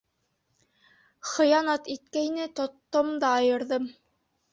Хыянат иткәйне, тоттом да айырҙым!